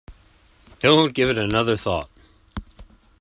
Don't give it another thought.